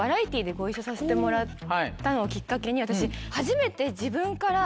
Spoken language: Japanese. させてもらったのをきっかけに私。